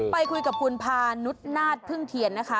ไปคุยกับคุณพานุษย์นาฏพึ่งเทียนนะคะ